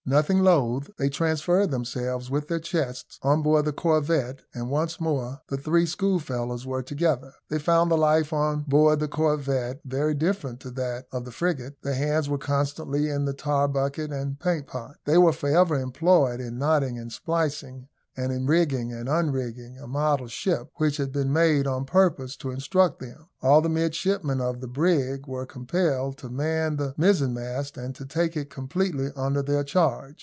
Nothing loath, they transferred themselves, with their chests, on board the corvette, and once more the three schoolfellows were together. They found the life on board the corvette very different to that of the frigate. Their hands were constantly in the tar bucket and paint pot. They were for ever employed in knotting and splicing, and in rigging and unrigging a model ship, which had been made on purpose to instruct them. All the midshipmen of the brig were compelled to man the mizen mast, and to take it completely under their charge.